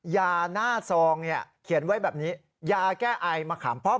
ยาน่าซองเขียนไว้แบบนี้ยาแก้ไอมะขามป้อม